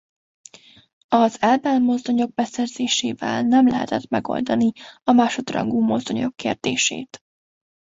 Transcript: Az Elbel-mozdonyok beszerzésével nem lehetett megoldani a másodrangú mozdonyok kérdését.